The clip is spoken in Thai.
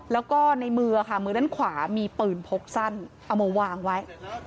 แล้วก็ในมือค่ะมือด้านขวามีปืนพกสั้นเอามาวางไว้